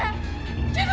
jangan bunuh aku